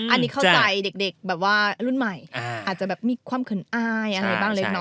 อันนี้เข้าใจเด็กรุ่นใหม่อาจจะมีความขนอายอะไรบ้างเล็ก